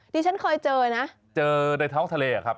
ที่ฉันเคยเจอนะเจอในท้องทะเลอะครับ